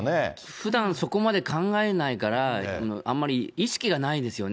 ふだん、そこまで考えないから、あんまり意識がないですよね。